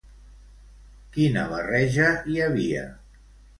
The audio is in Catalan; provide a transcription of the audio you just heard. Quina barreja hi havia?